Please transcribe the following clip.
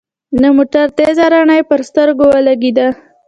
د موټر تېزه رڼا يې پر سترګو ولګېده.